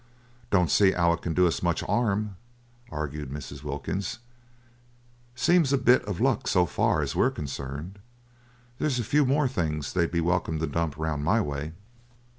"Don't see 'ow it can do us much 'arm," argued Mrs. Wilkins; "seems a bit of luck so far as we are concerned. There's a few more things they'd be welcome to dump round my way."